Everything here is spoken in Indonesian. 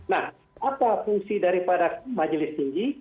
nah apa fungsi daripada majelis tinggi